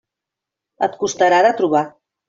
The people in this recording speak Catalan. Et costarà de trobar.